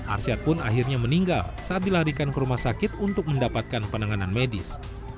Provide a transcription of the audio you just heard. arsyad pun akhirnya meninggal saat dilarikan ke rumah sakit untuk mendapatkan penanganan medis